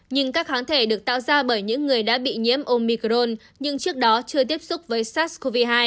nhưng các kháng thể được tạo ra bởi những người đã bị nhiễm omicron nhưng trước đó chưa tiếp xúc với sars cov hai